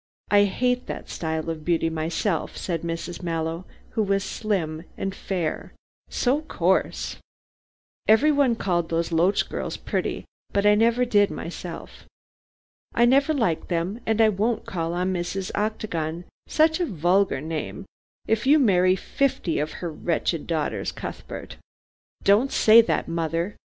I hate that style of beauty myself," said Mrs. Mallow, who was slim and fair, "so coarse. Everyone called those Loach girls pretty, but I never did myself. I never liked them, and I won't call on Mrs. Octagon such a vulgar name if you marry fifty of her wretched daughters, Cuthbert." "Don't say that, mother.